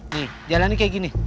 nih jalanin kayak gini